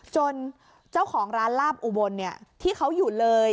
เจ้าของร้านลาบอุบลที่เขาอยู่เลย